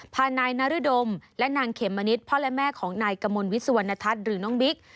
พานายนรดมและนางเขมมะนิดพ่อและแม่ของนายกมลวิสุวรรณทัศน์หรือน้องบิ๊ก